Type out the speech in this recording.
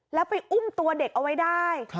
แล้วไปอุ้มตัวเด็กเอาไว้ได้